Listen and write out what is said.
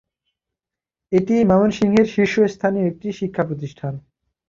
এটি ময়মনসিংহের শীর্ষস্থানীয় একটি শিক্ষাপ্রতিষ্ঠান।